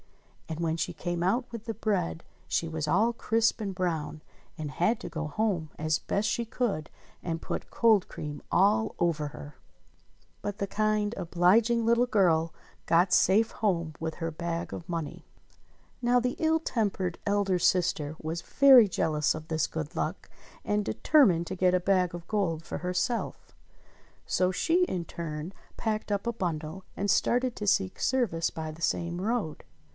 And when she came out with the bread she was all crisp and brown and had to go home as best she could and put cold cream all over her ! But the kind, obliging little girl got safe home with her bag of money. Now the ill tempered elder sister was very jealous of this good luck, and determined to get a bag of gold for herself. So she in her turn packed up a bundle and started to seek service by the same road.